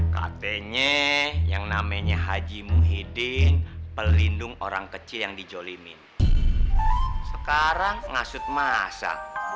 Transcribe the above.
katanya yang namanya haji muhyiddin pelindung orang kecil yang dijolimin sekarang ngasut massa